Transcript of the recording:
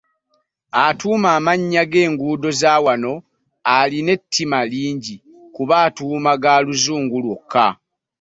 Atuuma amannya g'enguudo za wano alina ettima lingi kuba atuuma ga luzungu lwokka.